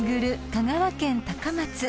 香川県高松］